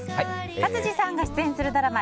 勝地さんが出演するドラマ